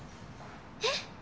えっ？